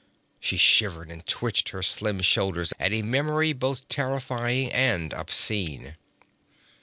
She shivered and twitched her slim shoulders at a memory both terrifying and obscene.